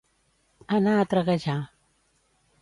Anar a traguejar.